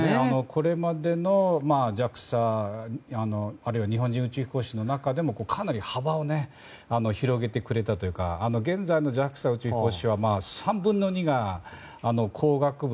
これまでのＪＡＸＡ日本人宇宙飛行士の中でもかなり幅を広げてくれたというか現在のＪＡＸＡの宇宙飛行士は３分の２が工学部